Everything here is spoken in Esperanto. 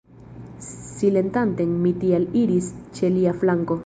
Silentante mi tial iris ĉe lia flanko.